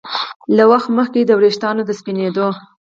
له وخت مخکې د ویښتو د سپینېدو